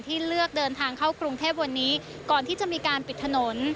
เลือกเดินทางเข้ากรุงเทพวันนี้ก่อนที่จะมีการปิดถนน